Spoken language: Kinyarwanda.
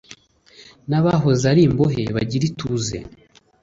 n'abahoze ari imbohe bagira ituze